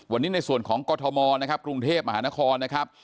วันนี้ในส่วนของกมกรุงเทพฯอาหารค